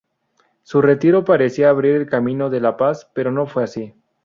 Su retiro parecía abrir el camino de la paz, pero no fue así.